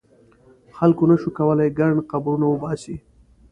خلکو نه شو کولای ګڼ قبرونه وباسي.